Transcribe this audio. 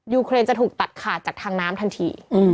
เครนจะถูกตัดขาดจากทางน้ำทันที